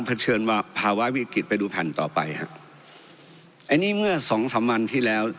เชิญว่าภาวะวิกฤตไปดูแผ่นต่อไปฮะอันนี้เมื่อสองสามวันที่แล้ว